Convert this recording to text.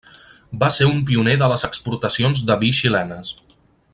Va ser un pioner de les exportacions de vi xilenes.